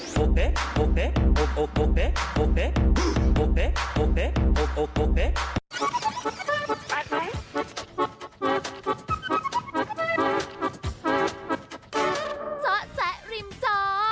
จ๊อตจ๊ะริ่มจ๊อ